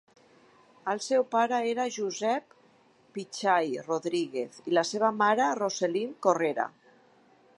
El seu pare era Joseph Pichai Rodriguez, i la seva mare, Roselin Correra.